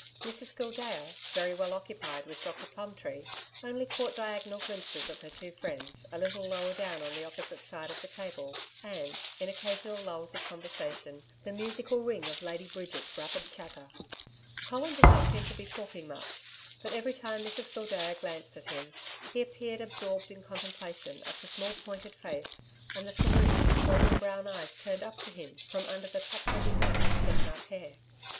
Mrs Gildea, very well occupied with Dr Plumtree, only caught diagonal glimpses of her two friends a little lower down on the opposite side of the table, and, in occasional lulls of conversation, the musical ring of Lady Bridget's rapid chatter. Colin did not seem to be talking much, but every time Mrs Gildea glanced at him, he appeared absorbed in contemplation of the small pointed face and the farouche, golden brown eyes turned up to him from under the top heavy mass of chestnut hair.